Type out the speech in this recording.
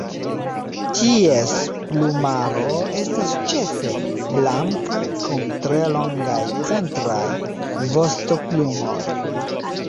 Ties plumaro estas ĉefe blanka, kun tre longaj centraj vostoplumoj.